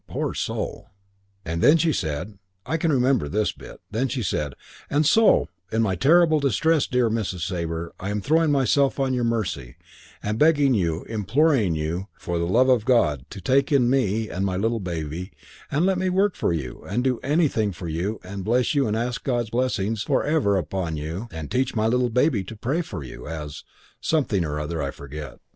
Poor soul. "And then she said I can remember this bit then she said, 'And so, in my terrible distress, dear Mrs. Sabre, I am throwing myself on your mercy, and begging you, imploring you, for the love of God to take in me and my little baby and let me work for you and do anything for you and bless you and ask God's blessing for ever upon you and teach my little baby to pray for you as ' something or other, I forget.